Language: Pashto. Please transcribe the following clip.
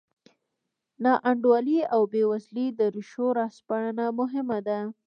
ناانډولۍ او بېوزلۍ د ریښو راسپړنه مهمه ده.